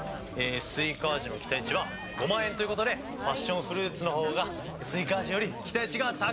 スイカ味の期待値は５０，０００円ということでパッションフルーツの方がスイカ味より期待値が高い！